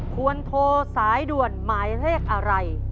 ควรโทรสายด่วนหมายเลขอะไร